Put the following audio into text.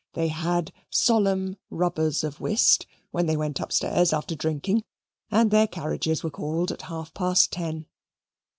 They had solemn rubbers of whist, when they went upstairs after drinking, and their carriages were called at half past ten.